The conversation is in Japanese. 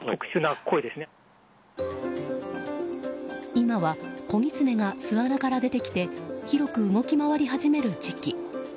今は子ギツネが巣穴から出てきて広く動き回り始める時期。